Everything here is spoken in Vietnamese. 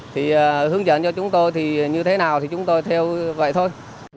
thì hướng dẫn cho chúng tôi thì như thế nào thì chúng tôi theo vậy thôi